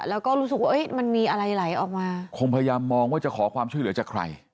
แล้วก็รู้สึกว่ามันมีอะไรไหลออกมาคงพยายามมองว่าจะขอความช่วยเหลือจากใคร